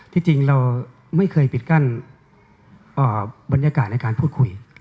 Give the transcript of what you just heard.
ที่จริงเราไม่เคยปิดกั้นบรรยากาศในการพูดคุย